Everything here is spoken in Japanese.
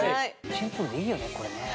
シンプルでいいよねこれね。